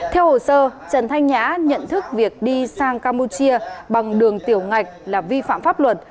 theo hồ sơ trần thanh nhã nhận thức việc đi sang campuchia bằng đường tiểu ngạch là vi phạm pháp luật